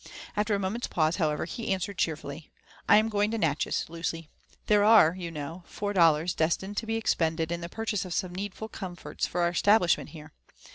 After a moment's pause, however, he answered cheerfully,— » "I am going to Natchez, Lucy. There are, you know, four dollars destined to be expended in the purchase of some needful com forts for our establishment here.